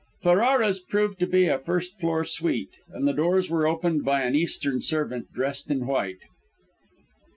Ferrara's proved to be a first floor suite, and the doors were opened by an Eastern servant dressed in white.